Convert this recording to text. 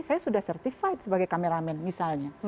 saya sudah certified sebagai kameramen misalnya